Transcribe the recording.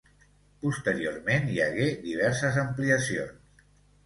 Posteriorment hi hagué diverses ampliacions.